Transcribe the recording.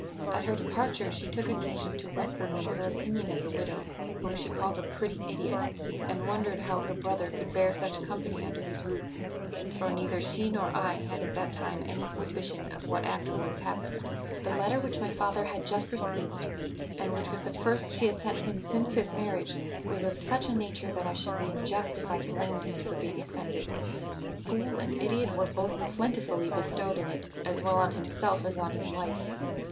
At her departure she took occasion to whisper me her opinion of the widow, whom she called a pretty idiot, and wondered how her brother could bear such company under his roof; for neither she nor I had at that time any suspicion of what afterwards happened. "The letter which my father had just received, and which was the first she had sent him since his marriage, was of such a nature that I should be unjust if I blamed him for being offended; fool and idiot were both plentifully bestowed in it as well on himself as on his wife.